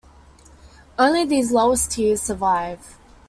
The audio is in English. Only these lowest tiers survive.